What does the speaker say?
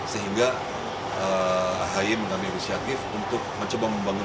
sehingga ahy mengambil inisiatif untuk mencoba membangun